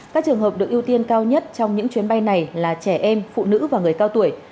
các trường hợp được ưu tiên cao nhất trong những chuyến bay này là trẻ em phụ nữ và người cao tuổi